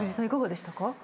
いかがでしたか？